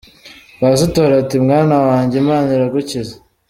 Pasitoro, ati : “mwana wanjye, Imana iragukiza”.